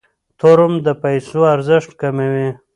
تورم د پیسو ارزښت کموي.